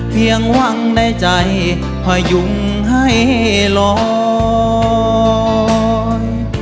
เพียงหวังในใจพยุงให้ลอย